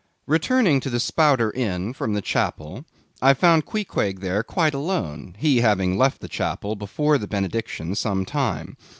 Returning to the Spouter Inn from the Chapel, I found Queequeg there quite alone; he having left the Chapel before the benediction some time.